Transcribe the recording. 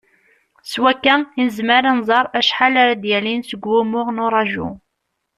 S wakka i nezmer ad nẓer acḥal ara d-yalin seg wumuɣ n uraju.